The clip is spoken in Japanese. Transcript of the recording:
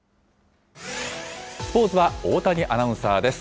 スポーツは大谷アナウンサーです。